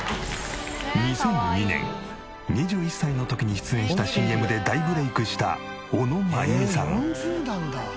２００２年２１歳の時に出演したＣＭで大ブレイクした小野真弓さん。